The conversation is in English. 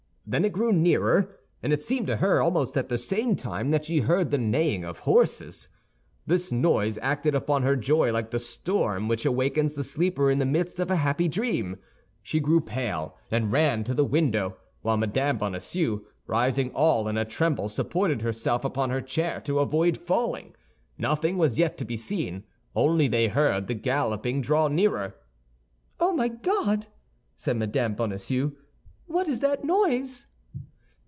Then it grew nearer, and it seemed to her, almost at the same time, that she heard the neighing of horses. This noise acted upon her joy like the storm which awakens the sleeper in the midst of a happy dream; she grew pale and ran to the window, while Mme. Bonacieux, rising all in a tremble, supported herself upon her chair to avoid falling. Nothing was yet to be seen, only they heard the galloping draw nearer. "Oh, my God!" said Mme. Bonacieux, "what is that noise?"